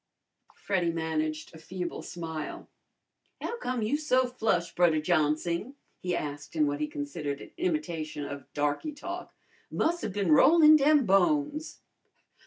Freddy managed a feeble smile. "How come you so flush, Brudder Johnsing?" he asked in what he considered an imitation of darky talk. "Mus' 'a' bin rollin' dem bones!"